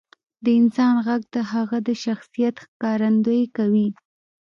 • د انسان ږغ د هغه د شخصیت ښکارندویي کوي.